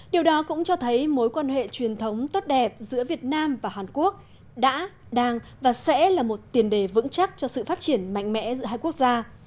điều đó cũng cho thấy mối quan hệ truyền thống tốt đẹp giữa việt nam và hàn quốc đã đang và sẽ là một tiền đề vững chắc cho sự phát triển mạnh mẽ giữa hai quốc gia